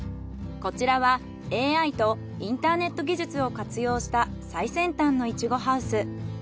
こちらはＡＩとインターネット技術を活用した最先端のイチゴハウス。